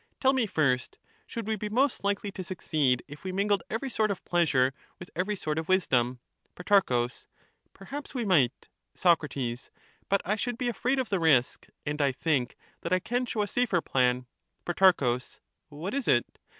Tell me first ;— should we be most likely to succeed if we mingled every sort of pleasure with every sort of wisdom? Pro. Perhaps we might. Soc. But I should be afraid of the risk, and I think that I can show a safer plan. Pro. What is it?